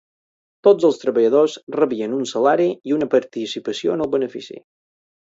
Tots els treballadors rebien un salari i una participació en el benefici.